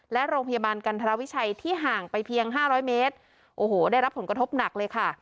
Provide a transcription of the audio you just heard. และโรงพยาบาลกันธรวิชัยที่ห่างไปเพียงห้าร้อยเมตรโอ้โหได้รับผลกระทบหนักเลยค่ะ